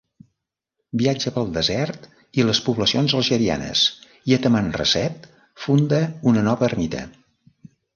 Viatja pel desert i les poblacions algerianes i a Tamanrasset funda una nova ermita.